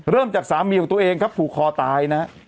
จากสามีของตัวเองครับผูกคอตายนะฮะ